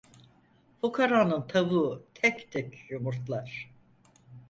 Fukaranın tavuğu tek tek yumurtlar.